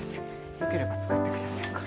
よければ使ってくださいこれ。